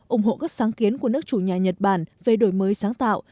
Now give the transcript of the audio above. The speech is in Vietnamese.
ủng hộ các sáng kiến của nước chủ nhà nhật bản về đổi mới sáng tạo